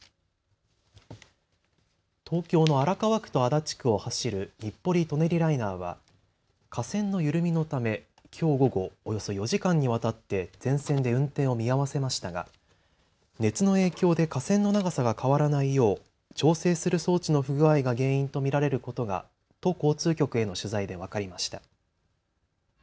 東京の荒川区と足立区を走る日暮里・舎人ライナーは架線の緩みのためきょう午後およそ４時間にわたって全線で運転を見合わせましたが熱の影響で架線の長さが変わらないよう調整する装置の不具合が原因と見られることが都交通局への取材で分かりました。